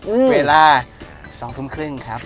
อาทิตย์เวลา๒ทุ่มครึ่งครับ